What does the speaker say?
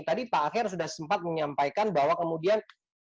tadi pak aher sudah sempat menyampaikan bahwa kemudian